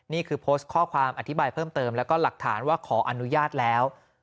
นี่คือโพสต์ข้อความอธิบายเพิ่มเติมแล้วก็หลักฐานว่าขออนุญาตแล้ว